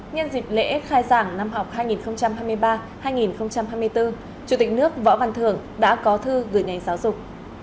nhân dịp lễ khai giảng năm học hai nghìn hai mươi ba hai nghìn hai mươi bốn chủ tịch nước võ văn thường đã có thư gửi ngành giáo dục